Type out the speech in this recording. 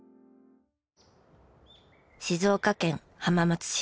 静岡県浜松市。